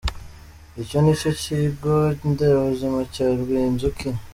Icyo nicyo kigo nderabuzima cya Rwinzuki.